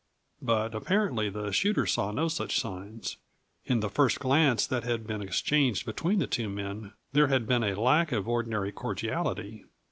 But apparently the shooter saw no such signs. In the first glance that had been exchanged between the two men there had been a lack of ordinary cordiality.